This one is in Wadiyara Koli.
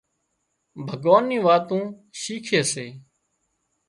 ڀُڳوان ني واتون شيکي سي